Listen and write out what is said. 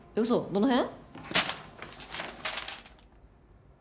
どの辺？